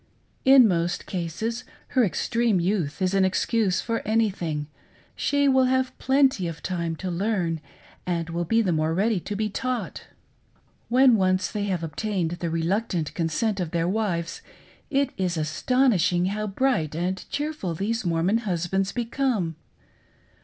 In most cases her extreme youth is an excuse for everything ; she will have plenty of time to learn, and will be the more ready to be taught. When once they have obtained, the reluctant consent of their wives, it is astonishing how bright and cheerful these Mormon husbands become.